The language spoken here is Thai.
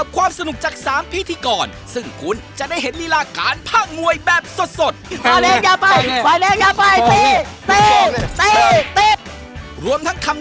สวัสดีค่ะสวัสดีครับคุณผู้ชมครับตอนนี้๑๑โมงครึ่งนะครับ